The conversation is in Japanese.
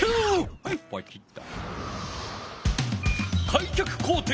はいポチッと。